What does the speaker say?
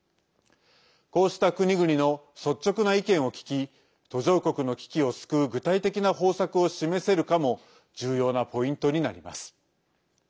こうした国々の率直な意見を聞き途上国の危機を救う具体的な方策を示せるかも重要なポイントになります。